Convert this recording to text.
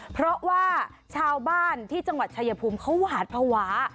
เพราะว่าชาวบ้านที่จังหวัดชายภูมิเขาหวาดภาวะ